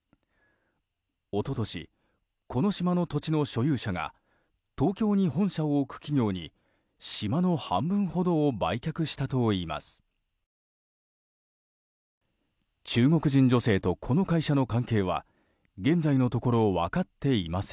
一昨年、この島の土地の所有者が東京に本社を置く企業に島の半分ほどを売却したといいます。